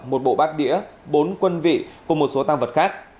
một bộ bát đĩa bốn quân vị cùng một số tăng vật khác